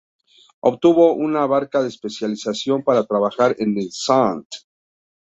Obtuvo una beca de especialización para trabajar en el "St.